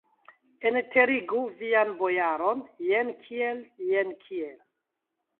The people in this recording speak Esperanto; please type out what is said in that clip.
Enterigu vian bojaron, jen kiel, jen kiel!